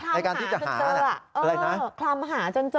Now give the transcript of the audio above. ในการที่จะหาอะไรนะคลำหาจนเจอ